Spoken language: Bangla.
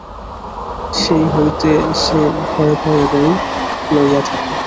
সেই হইতে সে ভয়ে ভয়ে রই লইয়া থাকে।